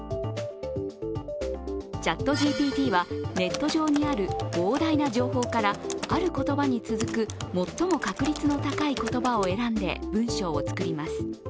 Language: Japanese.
ＣｈａｔＧＴＰはネット上にある膨大な情報からある言葉に続く最も確率の高い言葉を選んで文章を作ります。